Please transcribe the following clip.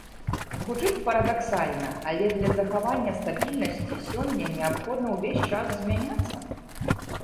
Гучыць парадаксальна, але для захавання стабільнасці сёння неабходна ўвесь час змяняцца.